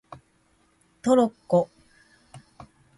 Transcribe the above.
トロッコ